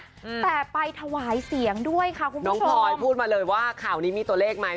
อืมแต่ไปถวายเสียงด้วยค่ะคุณผู้ชมน้องพลอยพูดมาเลยว่าข่าวนี้มีตัวเลขไหม